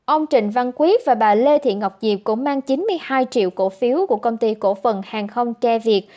ông trịnh văn quyết và bà lê thị ngọc diệp cũng mang chín mươi hai triệu cổ phiếu của công ty cổ phần hàng không tre việt